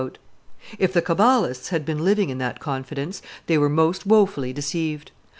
If the cabalists had been living in that confidence, they were most wofully deceived.